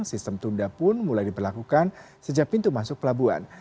sistem tunda pun mulai diperlakukan sejak pintu masuk pelabuhan